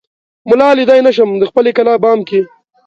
ملا ليدای نه شم دخپلې کلا بام کې